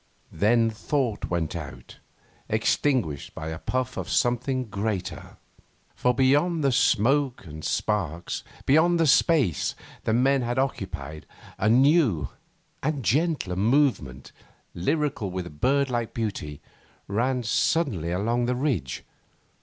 Then thought went out, extinguished by a puff of something greater.... For beyond the smoke and sparks, beyond the space the men had occupied, a new and gentler movement, lyrical with bird like beauty, ran suddenly along the ridge.